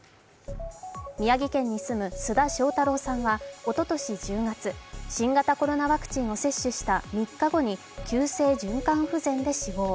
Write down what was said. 宮城県に住む須田正太郎さんはおととし１０月、新型コロナワクチンを接種した３日後に急性循環不全で死亡。